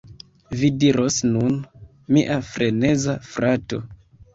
Vi diros nun: "Mia freneza frato!